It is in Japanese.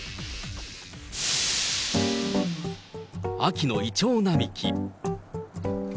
秋のイチョウ並木。